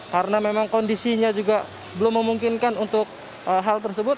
karena memang kondisinya juga belum memungkinkan untuk hal tersebut